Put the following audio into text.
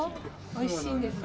おいしいんですよ。